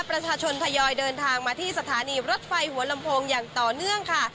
ประชาชนทยอยเดินทางมาที่สถานีรถไฟหัวลำโพงอย่างต่อเนื่องค่ะ